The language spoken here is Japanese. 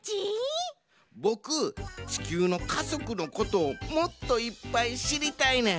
ボクちきゅうのかぞくのことをもっといっぱいしりたいねん。